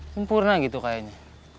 tumpurna gitu kayaknya